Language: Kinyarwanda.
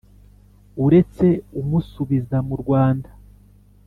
uretse umusubiza mu rwanda.